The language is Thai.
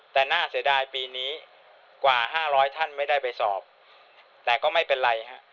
แต่น่าเสียดายปีนี้กว่า๕๐๐ท่านไม่ได้ไปสอบแต่ก็ไม่เป็นไรฮะ